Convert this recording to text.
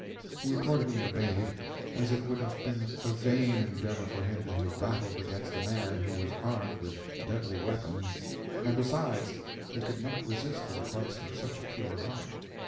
He accordingly obeyed, as it would have been a vain endeavor for him to have battled against a man who was armed with deadly weapons; and besides, he could not resist the request of such a pure heart.